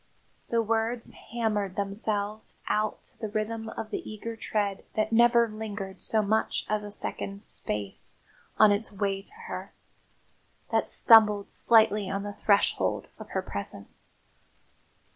The words hammered themselves out to the rhythm of the eager tread that never lingered so much as a second's space on its way to her, that stumbled slightly on the threshold of her presence.